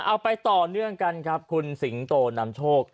เอาไปต่อเนื่องกันครับคุณสิงโตนำโชค